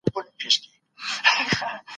بشر په رباني مرحله کي د طبيعت تابع و.